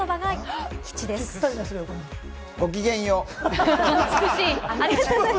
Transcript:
ごきげんよう。